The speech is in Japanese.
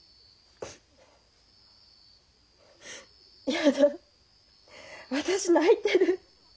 やだ私泣いてる。